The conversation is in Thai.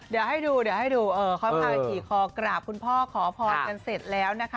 เดี๋ยวให้ดูเดี๋ยวให้ดูเขาพาขี่คอกราบคุณพ่อขอพรกันเสร็จแล้วนะคะ